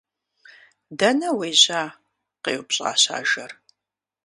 - Дэнэ уежьа? - къеупщӀащ ажэр.